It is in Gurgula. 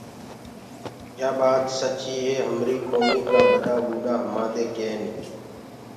يآ ٻآت سچيٚ هي همريٚ ڪوميٚ ڪآ ٻڏآ ٻوٚڏآ همانٚدي ڪينيٚ۔